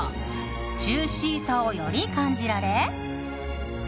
ジューシーさをより感じられ